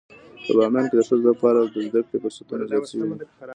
په باميان کې د ښځو لپاره د زده کړې فرصتونه زيات شوي دي.